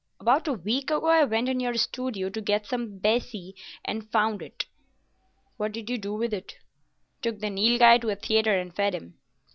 About a week ago I went into your studio to get some "baccy and found it." "What did you do with it?" "Took the Nilghai to a theatre and fed him."